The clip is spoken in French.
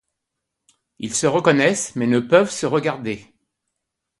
Ils se reconnaissent mais ne peuvent se regarder.